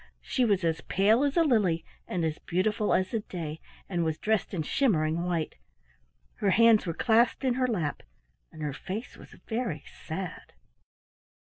She was as pale as a lily and as beautiful as the day, and was dressed in shimmering white. Her hands were clasped in her lap and her face was very sad.